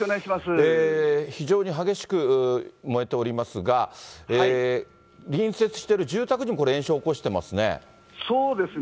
非常に激しく燃えておりますが、隣接している住宅にもこれ、延焼起こしてますね。